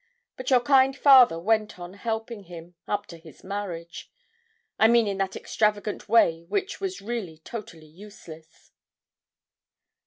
But your kind father went on helping him, up to his marriage I mean in that extravagant way which was really totally useless.'